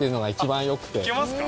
いけますか？